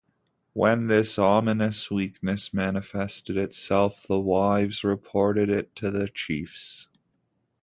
When this ominous weakness manifested itself, the wives reported it to the chiefs.